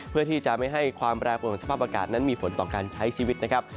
เพื่อที่จะไม่ให้ความแปรปวนของสภาพอากาศนั้นมีผลต่อการใช้ชีวิตนะครับ